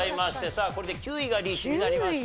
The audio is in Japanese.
さあこれで９位がリーチになりました。